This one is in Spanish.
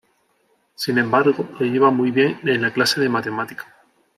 Sin embargo, le iba muy bien en la clase de matemática.